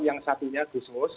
yang satunya gusmus